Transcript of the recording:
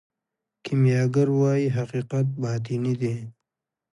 کیمیاګر وايي حقیقت باطني دی.